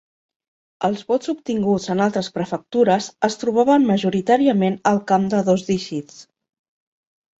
Els vots obtinguts en altres prefectures es trobaven majoritàriament al camp de dos dígits.